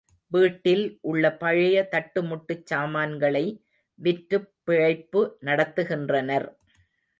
வீட்டில் உள்ள பழைய தட்டுமுட்டுச் சாமான்களை விற்றுப் பிழைப்பு நடத்துகின்றனர்.